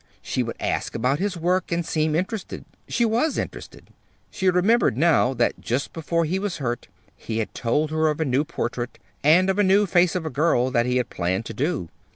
She would ask about his work, and seem interested. She was interested. She remembered now, that just before he was hurt, he had told her of a new portrait, and of a new "Face of a Girl" that he had planned to do.